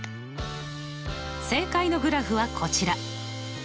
正解のグラフはこちら。